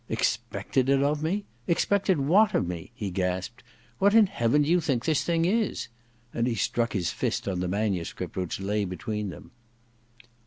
* Expected it of me ? Expected what of me ?' he gasped. ^ What in heaven do you think this thing is ?' And he struck his fist on the manuscript which lay between them.